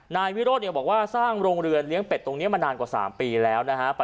นายวิโรธบอกว่าสร้างโรงเรือนเลี้ยงเป็ดตรงนี้มานานกว่า๓ปีแล้วนะฮะ